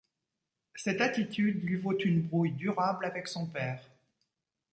Cette attitude lui vaut une brouille durable avec son père.